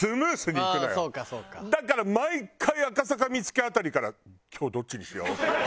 だから毎回赤坂見附辺りから今日どっちにしよう。